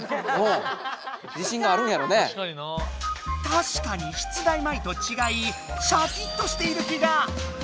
たしかに出題前とちがいシャキっとしている気が！